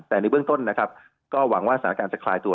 แต่ในเบื้องต้นนะครับก็หวังว่าสถานการณ์จะคลายตัว